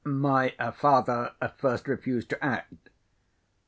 My father at first refused to act.